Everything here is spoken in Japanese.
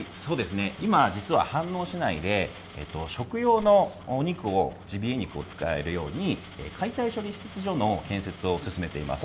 今、実は、飯能市内で食用のジビエ肉を使えるように解体処理施設所の建設を進めています。